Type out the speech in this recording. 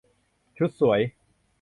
ชุดสวย